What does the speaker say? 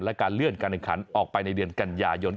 และการเลื่อนการบินขันนะกันออกไปในเดือนกัญญายนท์